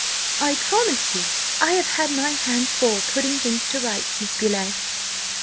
"I promise you I have had my hands full putting things to rights, Miss Beauleigh!"